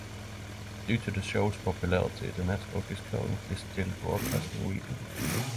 Due to the show's popularity, the network is currently still broadcasting reruns.